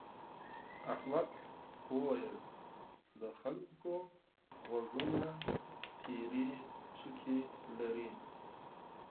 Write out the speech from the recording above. احمد وويل: د خلکو غوږونه تيرې څوکې لري.